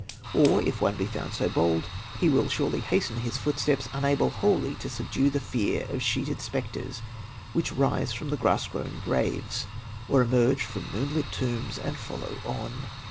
Or, if one be found so bold, he will surely hasten his footsteps, unable wholly to subdue the fear of sheeted spectres which may rise from the grass grown graves, or emerge from moon lit tombs, and follow on.